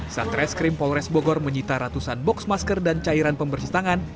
satreskrim polres bogor menyita ratusan box masker dan cairan pembersih tangan